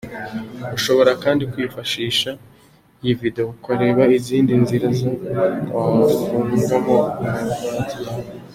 Ushobora kandi kwifashisha iyi video ukareba izindi nzira wafungamo karuvati yawe:.